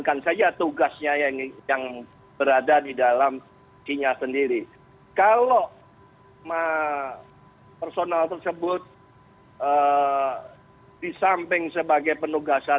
ketua dpp pdi perjuangan